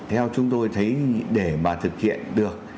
theo chúng tôi thấy để mà thực hiện được